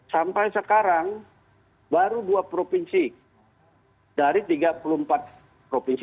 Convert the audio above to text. sampai sekarang baru dua provinsi dari tiga puluh empat provinsi